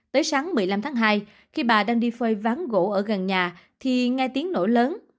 tới sáng một mươi năm tháng hai khi bà đang đi phơi ván gỗ ở gần nhà thì nghe tiếng nổ lớn